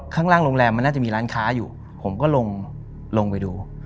ข้างล่างโรงแรมมันน่าจะมีร้านค้าอยู่ผมก็ลงไปดู